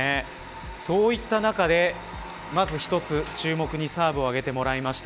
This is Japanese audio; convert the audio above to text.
そういった中で、まず１つ注目のサーブを上げてもらいました。